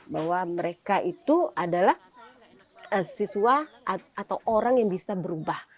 bahwa mereka itu adalah siswa atau orang yang bisa berubah